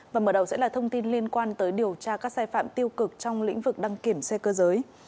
và mở đầu sẽ là thông tin liên quan tới điều tra các sai phạm tiêu cực trong lĩnh vực đăng kiểm xe cơ giới